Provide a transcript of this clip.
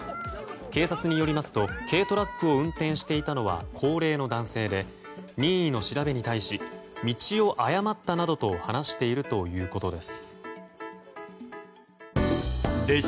警察によりますと軽トラックを運転していたのは高齢の男性で、任意の調べに対し道を誤ったなどと話しているということです。